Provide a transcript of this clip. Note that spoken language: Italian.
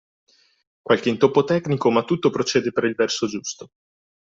Qualche intoppo tecnico ma tutto procede per il verso giusto